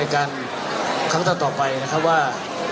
การครั้งต่อไปนะครับว่า